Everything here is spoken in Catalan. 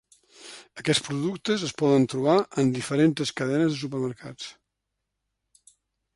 Aquests productes es poden trobar en diferents cadenes de supermercats.